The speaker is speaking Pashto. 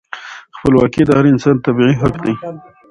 خپلواکي د هر انسان طبیعي حق دی.